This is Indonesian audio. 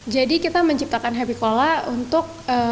jadi kita menciptakan happy cola untuk